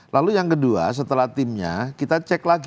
lalu yang kedua setelah timnya kita cek lagi